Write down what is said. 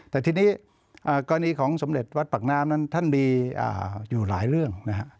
แต่ทีนี้กรณีของสมเด็จวัดปากน้ำนั้นท่านมีอยู่หลายเรื่องนะฮะ